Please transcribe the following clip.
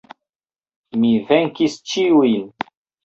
Mi venkis ĉiujn.